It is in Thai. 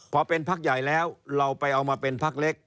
พอเป็นพักใหญ่แล้วเราไปเอามาเป็นพักเล็ก